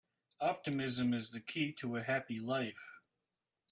Optimism is the key to a happy life.